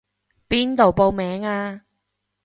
邊度報名啊？